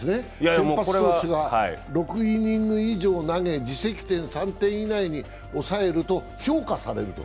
先発投手が６イニング以上を投げ自責点３点以内に抑えると評価されると。